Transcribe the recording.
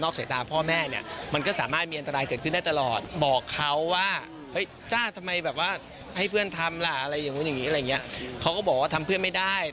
เขาก็บอกว่าทำเพื่อนไม่ได้ทำเพื่อนไม่ดี